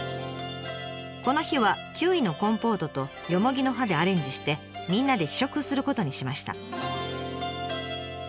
この日はキウイのコンポートとよもぎの葉でアレンジしてみんなで試食することにしました。